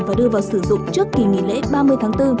và đưa vào sử dụng trước kỳ nghỉ lễ ba mươi tháng bốn